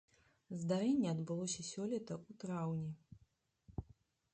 Здарэнне адбылося сёлета ў траўні.